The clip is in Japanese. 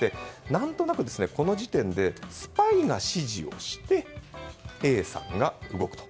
何となくこの時点でスパイが指示をしてＡさんが動くと。